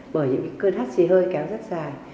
bởi những cơn hắt xì hơi kéo rất dài